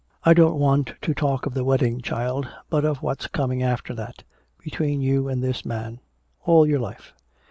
"I don't want to talk of the wedding, child, but of what's coming after that between you and this man all your life."